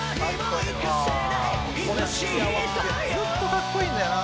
「ずっと格好いいんだよな」